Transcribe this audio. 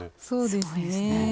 いやすごいですね。